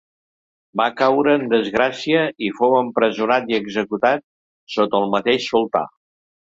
Va caure en desgràcia i fou empresonat i executat sota el mateix sultà.